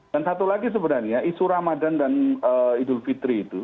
dan satu lagi sebenarnya isu ramadan dan idul fitri itu